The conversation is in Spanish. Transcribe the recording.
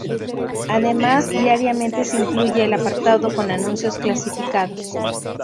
Además, diariamente se incluye el apartado con anuncios clasificados.